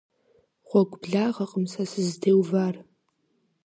Гъуэгу благъэкъым сэ сызытеувар.